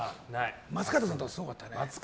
松方さんとかすごかったね。